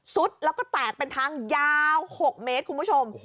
แล้วก็แตกเป็นทางยาว๖เมตรคุณผู้ชม